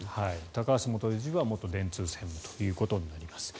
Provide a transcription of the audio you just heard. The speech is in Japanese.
高橋元理事は元電通専務ということになります。